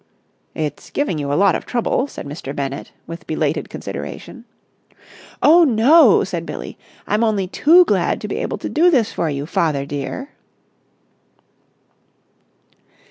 "It's giving you a lot of trouble," said Mr. Bennett, with belated consideration. "Oh, no!" said Billie. "I'm only too glad to be able to do this for you, father dear!"